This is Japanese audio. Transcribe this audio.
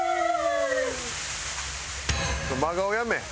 真顔やめい。